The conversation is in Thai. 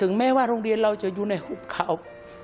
แม้ว่าโรงเรียนเราจะอยู่ในหุบเขา